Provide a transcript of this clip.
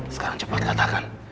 sekarang cepat katakan